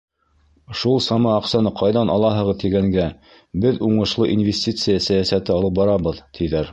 Шул сама аҡсаны ҡайҙан алаһығыҙ тигәнгә, беҙ уңышлы инвестиция сәйәсәте алып барабыҙ, тиҙәр.